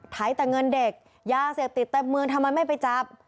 ไตแต่เงินเด็กยาเสพติดเต็มเมืองทำไมไม่ไปจับ